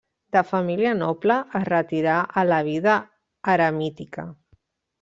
De família noble es retirà a la vida eremítica.